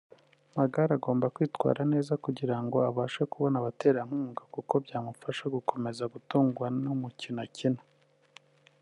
Magare agomba kwitwara neza kugira ngo abashe kubona abaterankunga kuko byamufasha gukomeza gutungwa ni umukino akina